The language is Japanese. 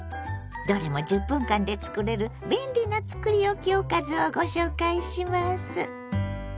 どれも１０分間でつくれる便利なつくりおきおかずをご紹介します。